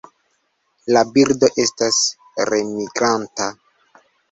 La birdo estas nemigranta.